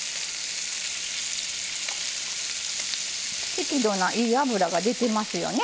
適度ないい脂が出てますよね。